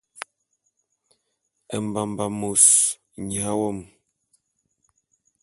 Mbamba’a e mos nya wom.